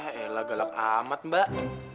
ya ella galak amat mbak